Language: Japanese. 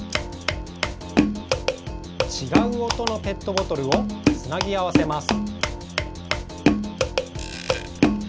ちがうおとのペットボトルをつなぎあわせます。